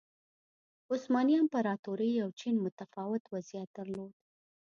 عثماني امپراتورۍ او چین متفاوت وضعیت درلود.